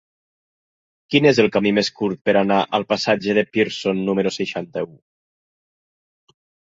Quin és el camí més curt per anar al passatge de Pearson número seixanta-u?